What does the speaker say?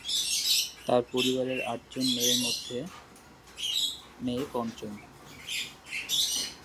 তার পরিবারের আটজন মেয়ের মধ্যে মে পঞ্চম।